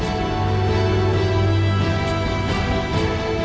ทำกลางอุณหภูมิที่ร้อนระอุก